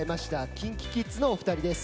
ＫｉｎＫｉＫｉｄｓのお二人です。